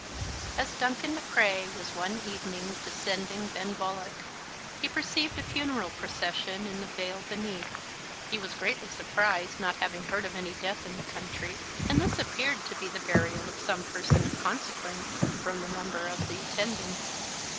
"As Duncan M'Crae was one evening descending Benvoilloich, he perceived a funeral procession in the vale beneath. He was greatly surprised, not having heard of any death in the country; and this appeared to be the burial of some person of consequence, from the number of the attendants.